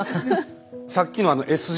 さっきのＳＧ。